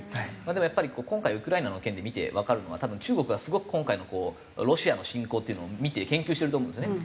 でもやっぱり今回ウクライナの件で見てわかるのは多分中国がすごく今回のこうロシアの侵攻っていうのを見て研究してると思うんですよね。